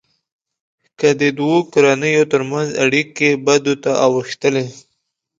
که د دوو کورنيو ترمنځ اړیکې بدو ته اوښتلې.